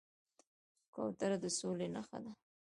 کوتره د سولې نښه ده